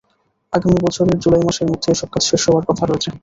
আগামী বছরের জুলাই মাসের মধ্যে এসব কাজ শেষ হওয়ার কথা রয়েছে।